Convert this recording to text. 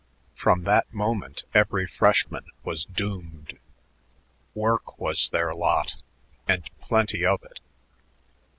From that moment every freshman was doomed. Work was their lot, and plenty of it.